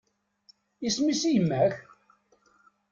Isem-is i yemma-k?